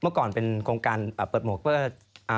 เมื่อก่อนเป็นโครงการพัดโหมล์โคเฟิร์ส